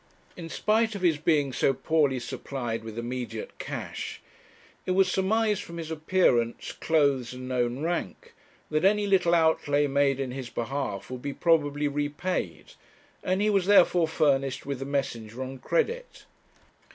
In spite of his being so poorly supplied with immediate cash, it was surmised from his appearance, clothes, and known rank, that any little outlay made in his behalf would be probably repaid, and he was therefore furnished with a messenger on credit.